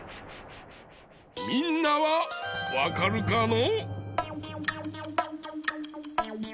みんなはわかるかの？